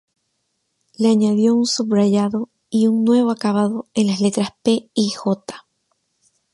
Le añadió un subrayado y un nuevo acabado en las letras pe y jota.